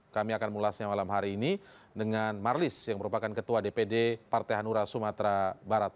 kami akan mulasnya malam hari ini dengan marlis yang merupakan ketua dpd partai hanura sumatera barat